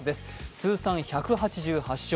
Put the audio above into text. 通算１８８勝。